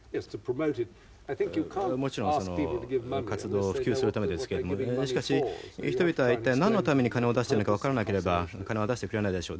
もちろんその活動を普及するためですけれどもしかし人々は一体なんのためにお金を出しているのかわからなければお金は出してくれないでしょう。